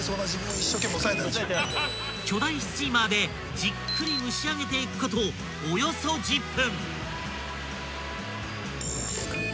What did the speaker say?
［巨大スチーマーでじっくり蒸し上げていくことおよそ１０分］